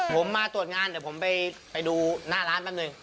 ผมมาตรวจงานเดี๋ยวผมไปดูหน้าร้านแป๊บหนึ่ง